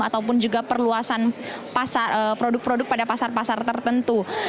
ataupun juga perluasan produk produk pada pasar pasar tertentu